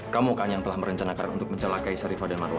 kamu kan yang telah merencanakan untuk mencelakai syarifah dan marwah